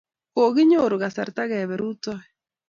Kokinyoru kasarta kepe rutoi